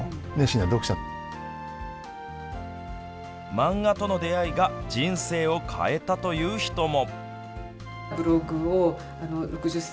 漫画との出会いが人生を変えたという人も。